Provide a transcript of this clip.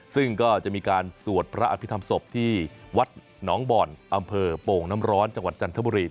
ซึ่งก็จะมีการสวดพระอภิษฐรรมศพที่วัดหนองบ่อนอำเภอโป่งน้ำร้อนจังหวัดจันทบุรี